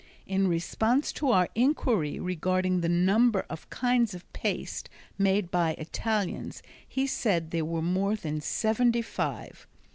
In response to our inquiry regarding the number of kinds of paste made by Italians he said there were more than seventy five.